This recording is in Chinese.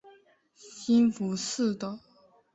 兴福寺的。